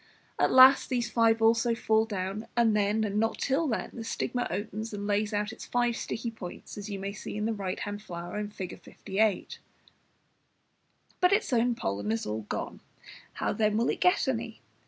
At last these five also fall down, and then, and not till then, the stigma opens and lays out its five sticky points, as you may see in the right hand flower, Fig. 58. But its own pollen is all gone, how then will it get any?